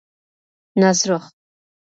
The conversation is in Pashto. نازرخ